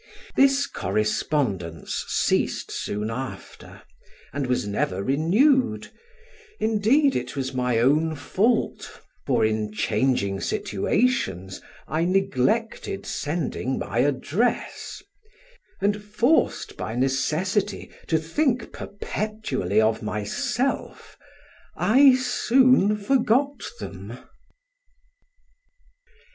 This correspondence ceased soon after, and was never renewed: indeed it was my own fault, for in changing situations I neglected sending my address, and forced by necessity to think perpetually of myself, I soon forgot them.